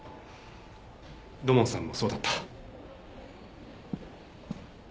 土門さんもそうだった。